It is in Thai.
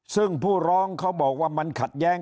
ซึ่งผู้ร้องเขาบอกว่ามันขัดแย้ง